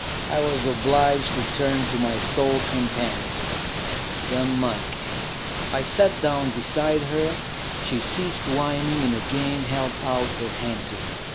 I was obliged to turn to my sole companion, the monkey. I sat down beside her ; she ceased whining, and again held out her hand to me.